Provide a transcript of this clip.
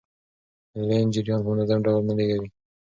لین جریان په منظم ډول نه لیږدوي.